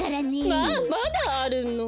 まあまだあるの？